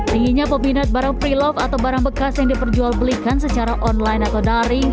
tingginya peminat barang pre love atau barang bekas yang diperjual belikan secara online atau daring